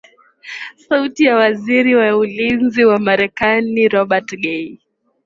sauti ya waziri wa ulinzi wa marekani robert gay